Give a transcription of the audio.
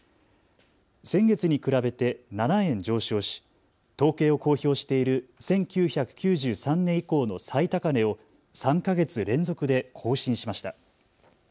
先月に比べて７円上昇し統計を公表している１９９３年以降の最高値を３か月連続で更新しました。